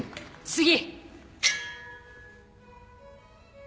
次！